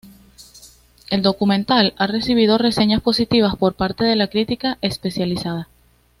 El documental ha recibido reseñas positivas por parte de la crítica especializada.